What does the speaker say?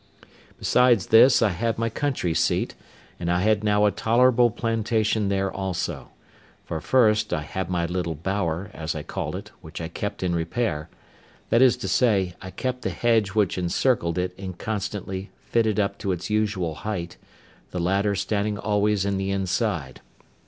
Besides this, I had my country seat, and I had now a tolerable plantation there also; for, first, I had my little bower, as I called it, which I kept in repair—that is to say, I kept the hedge which encircled it in constantly fitted up to its usual height, the ladder standing always in the inside.